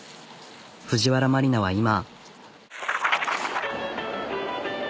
藤原麻里菜は今。